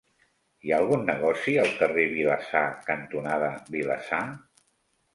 Hi ha algun negoci al carrer Vilassar cantonada Vilassar?